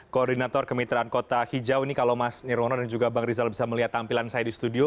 koordinator kemitraan kota hijau ini kalau mas nirwono dan juga bang rizal bisa melihat tampilan saya di studio